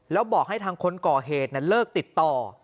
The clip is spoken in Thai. แล้วบอกให้ทางคนก่อเหตุเลิกติดต่อ